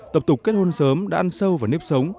tập tục kết hôn sớm đã ăn sâu vào nếp sống